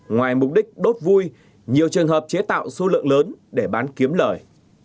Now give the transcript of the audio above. ngoài mục đích đốt vui nhiều trường hợp chế tạo số lượng lớn để bán kiếm lời